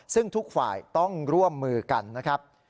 ซึ่งทุกฝ่ายต้องร่วมมือกันนะครับ